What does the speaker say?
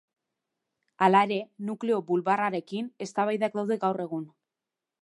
Hala ere, nukleo bulbarrarekin eztabaidak daude gaur egun.